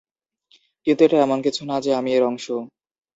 কিন্তু এটা এমন কিছু না যে আমি এর অংশ।